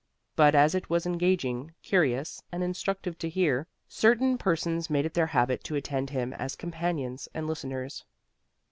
But as it was engaging, curious, and instructive to hear, certain persons made it their habit to attend him as companions and listeners.